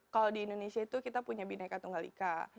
kalau di indonesia itu kita punya bineka tunggal ika